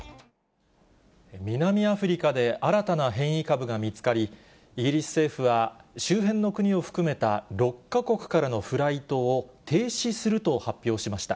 南アフリカで新たな変異株が見つかり、イギリス政府は、周辺の国を含めた６か国からのフライトを停止すると発表しました。